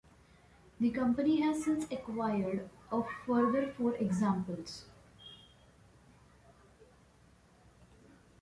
The company has since acquired a further four examples.